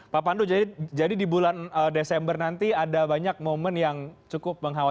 pak pandu jadi di bulan desember nanti ada banyak momen yang cukup mengkhawati